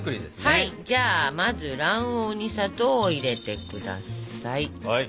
はいじゃあまず卵黄に砂糖を入れて下さい。